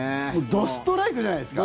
どストライクじゃないですか？